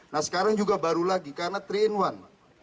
nah sekarang juga baru lagi karena tiga in satu